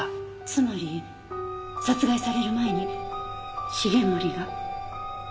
つまり殺害される前に繁森が。